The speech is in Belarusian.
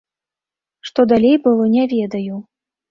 Што далей было, не ведаю.